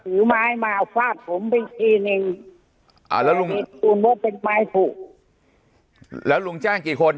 ถือไม้มาฝากผมไปทีนึงอ่าแล้วลุงแล้วลุงแจ้งกี่คน